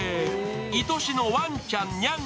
いとしのワンちゃんニャン